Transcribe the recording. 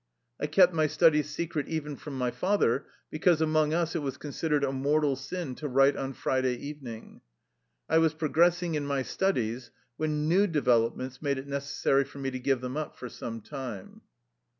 I kept my studies secret even from my father, because among us it was considered a mortal sin to write on Friday even ing. I was progressing in my studies when new developments made it necessary for me to give them up for some time.